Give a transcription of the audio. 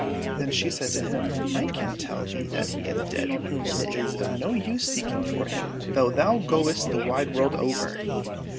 — Then she said to him, " I can tell thee that he is dead, and it is of no use seeking for him, though thou goest the wide world over.